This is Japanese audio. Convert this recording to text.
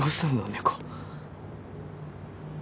猫。